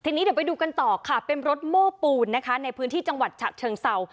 ทีนี้เดี๋ยวไปดูกันต่อค่ะเป็นรถโม้ปูนนะคะในพื้นที่จังหวัดฉะเชิงเศร้า